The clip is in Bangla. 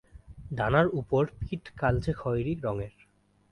ডানার ওপর পিঠ কালচে খয়েরি রঙের।